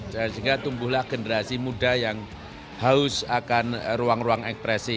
sehingga tumbuhlah generasi muda yang haus akan ruang ruang ekspresi